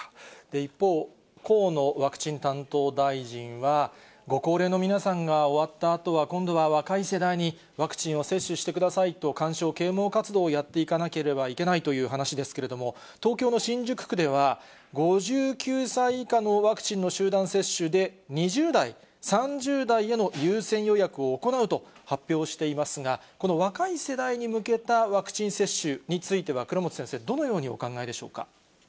一方、河野ワクチン担当大臣は、ご高齢の皆さんが終わったあとは、今度は若い世代にワクチンを接種してくださいと勧奨、啓もう活動をやっていかないといけないという話ですけれども、東京の新宿区では、５９歳以下のワクチンの集団接種で、２０代、３０代への優先予約を行うと発表していますが、この若い世代に向けたワクチン接種については、倉持先生、どのようにお考えでしょうか。